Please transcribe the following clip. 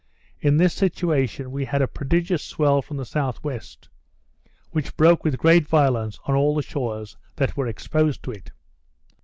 In this situation we had a prodigious swell from S.W., which broke with great violence on all the shores that were exposed to it.